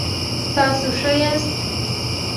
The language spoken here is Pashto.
تاسو ښه یاست؟